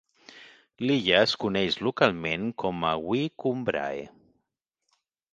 L'illa es coneix localment com a Wee Cumbrae.